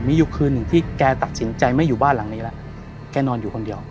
มีอยู่คืนหนึ่งที่แกตัดสินใจไม่อยู่บ้านหลังนี้แล้วแกนอนอยู่คนเดียว